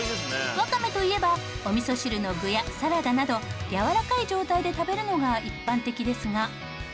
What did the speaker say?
わかめといえばお味噌汁の具やサラダなどやわらかい状態で食べるのが一般的ですが。